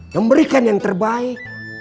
memberikan yang terbaik